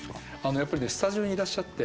やっぱりねスタジオにいらっしゃって。